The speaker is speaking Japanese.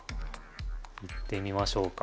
いってみましょうか？